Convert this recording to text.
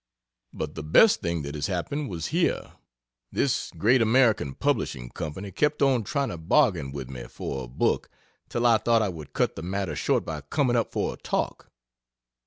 But the best thing that has happened was here. This great American Publishing Company kept on trying to bargain with me for a book till I thought I would cut the matter short by coming up for a talk.